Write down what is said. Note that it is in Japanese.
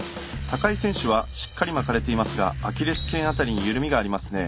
高井選手はしっかり巻かれていますがアキレス腱辺りに緩みがありますね。